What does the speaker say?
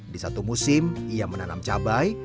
di satu musim ia menanam cabai